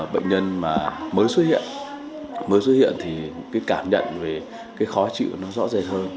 bệnh nhân mới xuất hiện mới xuất hiện thì cảm nhận về khó chịu rõ rệt hơn